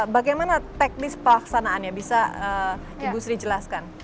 bagaimana teknis pelaksanaannya bisa ibu sri jelaskan